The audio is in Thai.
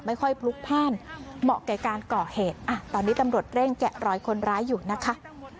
ไม่ค่อยพลุกผ้านเหมาะกับการก่อเหตุอ่ะตอนนี้ตำลดเร่งแกะรอยคนร้ายอยู่นะคะ